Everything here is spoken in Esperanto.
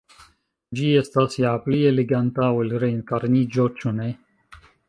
Ĝi estas ja pli eleganta ol reenkarniĝo, ĉu ne?